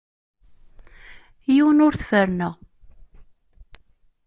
Yiwen ur t-ferrneɣ.